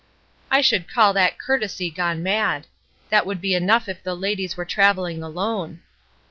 "I should call that courtesy gone mad! That would be enough if the ladies were travelling alone.